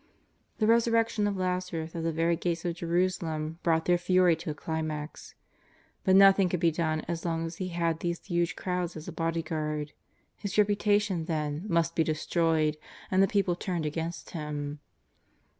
The resurrection of Lazarus at the very gates of Jerusalem brought their fury to a climax. But nothing could be done as long as He had these huge crowds as a bodyguard. His reputation, then, must be destroyed and the people turned against Him.